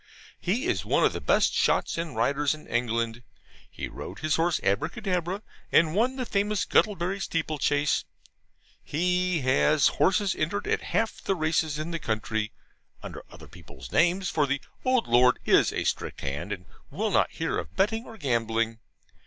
He is one of the best shots and riders in England. He rode his horse Abracadabra, and won the famous Guttlebury steeple chase. He has horses entered at half the races in the country (under other people's names; for the old lord is a strict hand, and will not hear of betting or gambling).